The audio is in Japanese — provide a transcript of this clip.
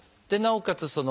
でなおかつ